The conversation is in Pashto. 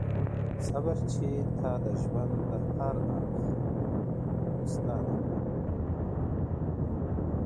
صبر چي تا د ژوند، د هر اړخ استاده کړمه.